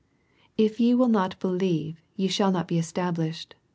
" If ye will not believe, ye shall not be established."